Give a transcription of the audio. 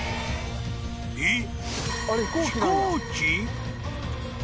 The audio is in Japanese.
［えっ］